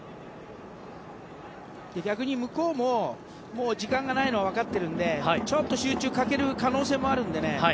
逆に向こうも時間がないのは分かっているのでちょっと集中が欠ける可能性もあるのでね。